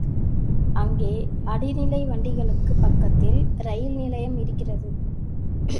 அங்கே அடிநிலை வண்டிகளுக்குப் பக்கத்தில் ரயில் நிலையம் இருக்கிறது.